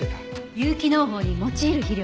有機農法に用いる肥料ですね。